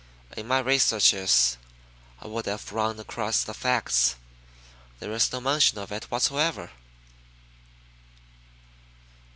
In my researches I would have run across the facts. There is no mention of it whatever."